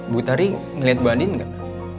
bu tari melihat bu andin nggak